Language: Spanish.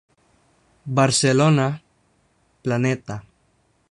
Barcelona, Planeta.